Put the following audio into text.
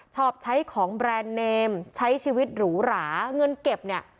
ชอบใช้ของแบรนด์เนมใช้ชีวิตหรูหราเงินเก็บเนี่ย